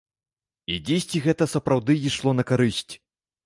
І дзесьці гэта сапраўды ішло на карысць.